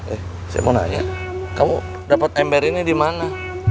eh saya mau nanya kamu dapat ember ini di mana